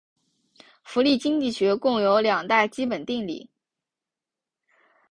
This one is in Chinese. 福利经济学共有两大基本定理。